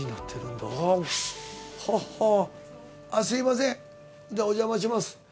すいませんお邪魔します。